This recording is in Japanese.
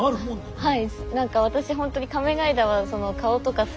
はい。